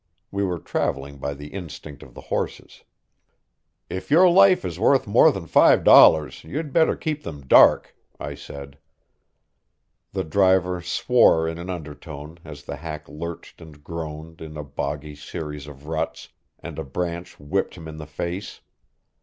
We were traveling by the instinct of the horses. "If your life is worth more than five dollars, you'd better keep them dark," I said. The driver swore in an undertone as the hack lurched and groaned in a boggy series of ruts, and a branch whipped him in the face.